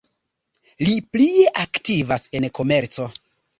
Li plie aktivas en komerco.